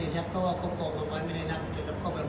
ผมก็เจ็บไปด้วยนะครับก็เจ็บไปด้วยเวลาที่ผมก็เจ็บไปด้วยครับ